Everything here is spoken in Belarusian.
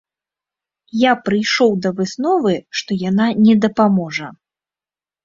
Я прыйшоў да высновы, што яна не дапаможа.